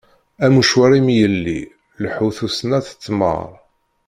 Am ucwari mi yelli, Ileḥḥu tusna tettmar.